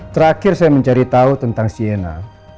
terakhir saya mencari tahu tentang siena